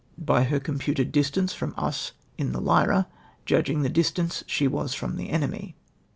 —" By her computed distance from us in the Lyra, judging the distance she was from the enemy."